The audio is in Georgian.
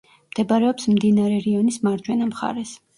მდებარეობს მდინარე რიონის მარჯვენა მხარეს.